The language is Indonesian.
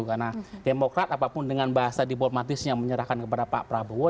karena demokrat apapun dengan bahasa diplomatisnya menyerahkan kepada pak prabowo